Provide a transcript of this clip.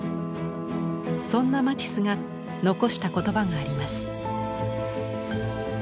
そんなマティスが残した言葉があります。